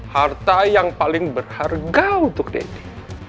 harta yang paling berharga untuk deddy